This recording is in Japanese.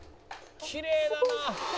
「きれいだな！」